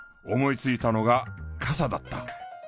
思いついたのが傘だった。